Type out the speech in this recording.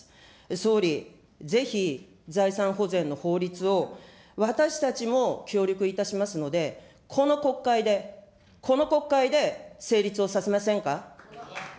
総理、ぜひ、財産保全の法律を私たちも協力いたしますので、この国会で、この国会で成立をさせませんか。